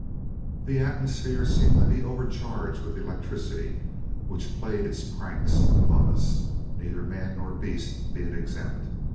The atmosphere seemed to be overcharged with electricity, which played its pranks among us, neither man nor beast being exempt.